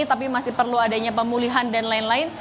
tapi masih perlu adanya pemulihan dan lain lain